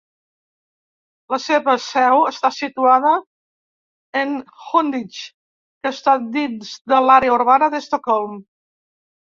La seva seu està situada en Huddinge, que està dins de l'àrea urbana d'Estocolm.